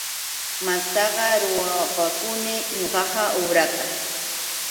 Mastaqa ruwapakuni ñuqaqa ubrata.